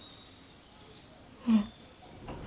うん。